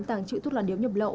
tàng trị thuốc là điếu nhập lậu